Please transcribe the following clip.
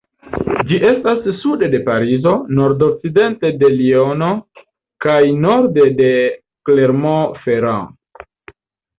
Ĝi estas sude de Parizo, nordokcidente de Liono kaj norde de Clermont-Ferrand.